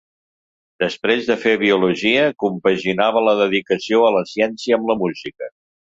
Després de fer biologia, compaginava la dedicació a la ciència amb la música.